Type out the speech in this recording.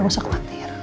nggak usah khawatir